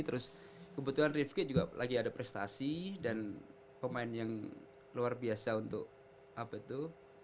terus kebetulan rivki juga lagi ada prestasi dan pemain yang luar biasa untuk apa itu